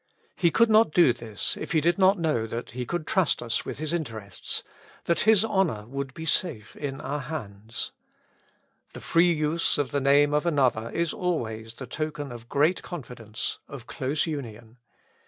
He could not do this if He did not know that He could trust us with His inter ests, that His honor would be safe in our hands. The free use of the name of another is always the token of great confidence, of close union.